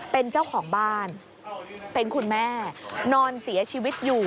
เป็นเจ้าของบ้านเป็นคุณแม่นอนเสียชีวิตอยู่